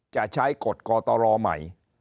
จะใช้กฎกรตะลอใหม่